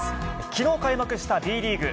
きのう開幕したＢリーグ。